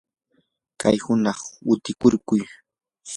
kay hunaq utikaykurquu.